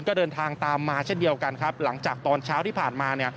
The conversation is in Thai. ก็เดินทางตามมาเช่นเดียวกันครับหลังจากตอนเช้าที่ผ่านมาเนี่ย